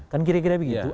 kan kira kira begitu